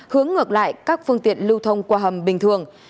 hướng ngược lại các phương tiện lưu thông qua hầm bình thường